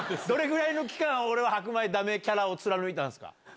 どれぐらいの期間、俺は白米だめキャラを貫いたんですか。